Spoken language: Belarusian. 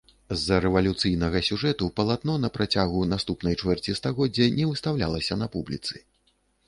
З-за рэвалюцыйнага сюжэту палатно на працягу наступнай чвэрці стагоддзя не выстаўлялася на публіцы.